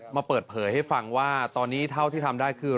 มาเปิดเผยให้ฟังว่าตอนนี้เท่าที่ทำได้คือ